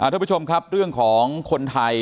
ทุกผู้ชมครับเรื่องของคนไทย